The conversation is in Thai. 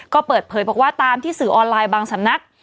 ก็เปิดเผยบอกว่าตามที่สื่อออนไลน์บางสำนัก